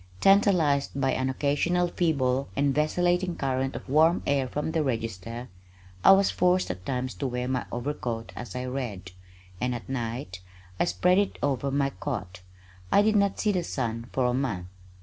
Tantalized by an occasional feeble and vacillating current of warm air from the register, I was forced at times to wear my overcoat as I read, and at night I spread it over my cot. I did not see the sun for a month.